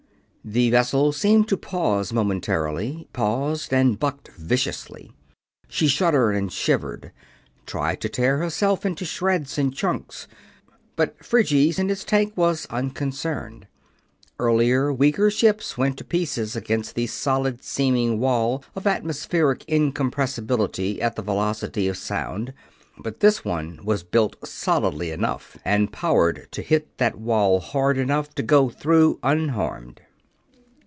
The vessel seemed to pause momentarily; paused and bucked viciously. She shuddered and shivered, tried to tear herself into shreds and chunks; but Phryges in his tank was unconcerned. Earlier, weaker ships went to pieces against the solid seeming wall of atmospheric incompressibility at the velocity of sound; but this one was built solidly enough, and powered to hit that wall hard enough, to go through unharmed.